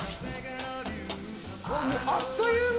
あっという間。